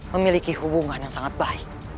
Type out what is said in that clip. memiliki hubungan yang sangat baik